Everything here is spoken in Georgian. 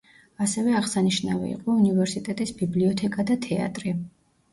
ასევე აღსანიშნავი იყო უნივერსიტეტის ბიბლიოთეკა და თეატრი.